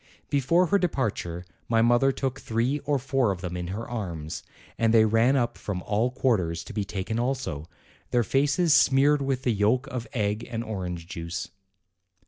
Before her departure my mother took three or four of them in her arms, and they ran up from all quarters to be taken also, their faces smeared with yolk of egg and orange juice.